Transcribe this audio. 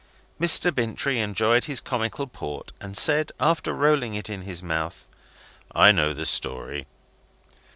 Mr. Bintrey enjoyed his comical port, and said, after rolling it in his mouth: "I know the story."